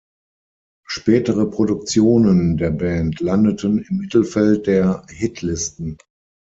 Spätere Produktionen der Band landeten im Mittelfeld der Hitlisten.